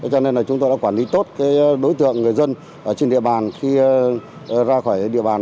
cho nên là chúng tôi đã quản lý tốt đối tượng người dân trên địa bàn khi ra khỏi địa bàn